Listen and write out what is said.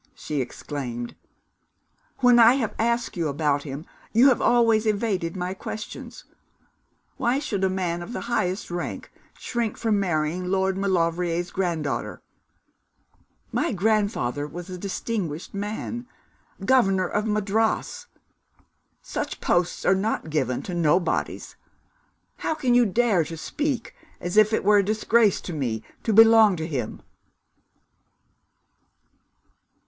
she exclaimed. 'When I have asked you about him you have always evaded my questions. Why should a man of the highest rank shrink from marrying Lord Maulevrier's granddaughter? My grandfather was a distinguished man Governor of Madras. Such posts are not given to nobodies. How can you dare to speak as if it were a disgrace to me to belong to him?'